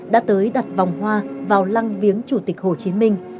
đã tới đặt vòng hoa vào lăng viếng chủ tịch hồ chí minh